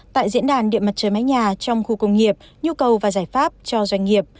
tại diễn đàn điện mặt trời mái nhà trong khu công nghiệp nhu cầu và giải pháp cho doanh nghiệp